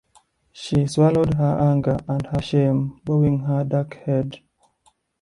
She swallowed her anger and her shame, bowing her dark head.